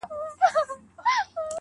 ورته شعرونه وايم.